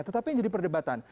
tetapi ini jadi perdebatan